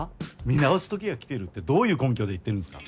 見直すときが来てるってどういう根拠で言ってるんですか？